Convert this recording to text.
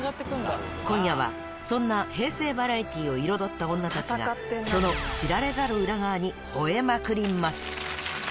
今夜は、そんな平成バラエティーを彩った女たちが、その知られざる裏側に吠えまくります。